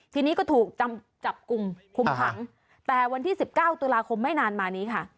ทีนี้ก็ถูกจำจับกลุ่มคุมขังแต่วันที่๑๙ตุลาคมไม่นานมานี้ค่ะ